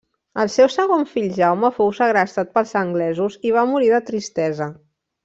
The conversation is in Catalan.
El seu segon fill Jaume fou segrestat pels anglesos i va morir de tristesa.